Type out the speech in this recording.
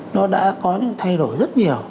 nó đã có những thay đổi rất nhiều